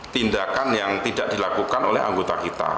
tindakan yang tidak dilakukan oleh anggota kita